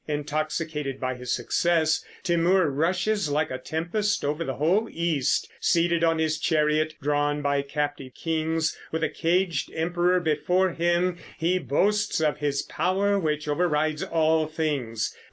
Intoxicated by his success, Timur rushes like a tempest over the whole East. Seated on his chariot drawn by captive kings, with a caged emperor before him, he boasts of his power which overrides all things.